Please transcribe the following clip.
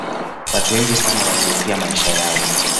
watu wengi sana walihofia maisha yao